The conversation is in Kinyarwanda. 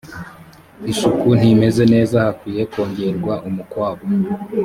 isuku ntimeze neza hakwiye kongerwa umukwabu